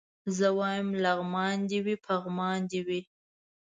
زه وايم لغمان دي وي پغمان دي وي